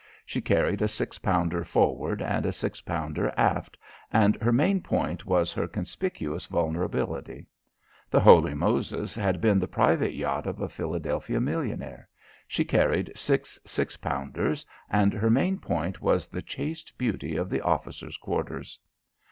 She carried a six pounder forward and a six pounder aft and her main point was her conspicuous vulnerability. The Holy Moses had been the private yacht of a Philadelphia millionaire. She carried six six pounders and her main point was the chaste beauty of the officer's quarters.